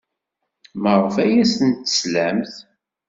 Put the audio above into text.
Maɣef ay asen-teslamt?